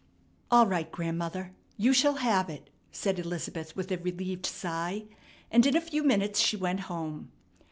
"All right, grandmother. You shall have it," said Elizabeth with a relieved sigh, and in a few minutes she went home.